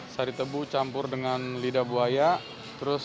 sari tebu campur dengan lidah buaya